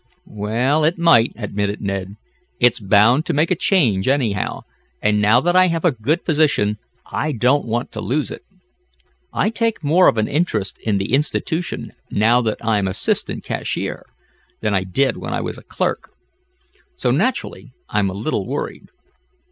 "Well, it might," admitted Ned. "It's bound to make a change, anyhow, and now that I have a good position I don't want to lose it. I take more of an interest in the institution now that I'm assistant cashier, than I did when I was a clerk. So, naturally, I'm a little worried."